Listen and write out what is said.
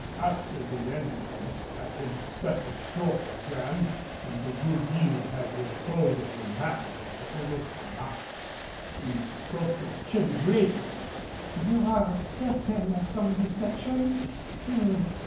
After the Indians had been set ashore again and De Gourgues had been told of the manner of Olotoraca, he stroked his chin gravely. "You are certain of some deception?